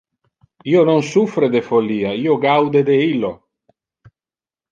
Io non suffre de follia, io gaude de illo.